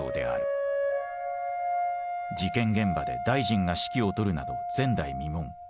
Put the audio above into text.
事件現場で大臣が指揮を執るなど前代未聞。